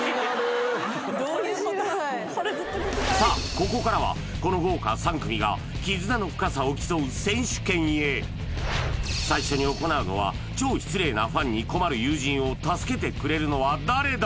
ここからはこの豪華選手権へ最初に行うのは超失礼なファンに困る友人を助けてくれるのは誰だ？